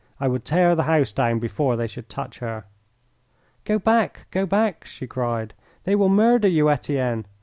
I would tear the house down before they should touch her. "Go back! Go back!" she cried. "They will murder you, Etienne.